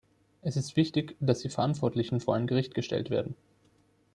Es ist wichtig, dass die Verantwortlichen vor ein Gericht gestellt werden.